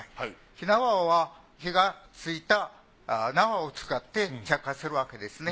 火縄は火がついた縄を使って着火するわけですね。